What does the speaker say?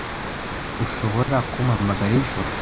Ushobora kumpamagara ejo?